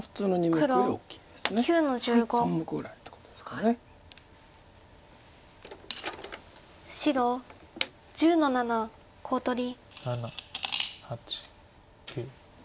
黒１１の七コウ取り。